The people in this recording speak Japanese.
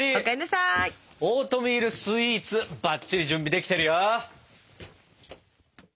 オートミールスイーツバッチリ準備できてるよ！